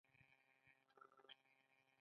د سویا غوړي د څه لپاره وکاروم؟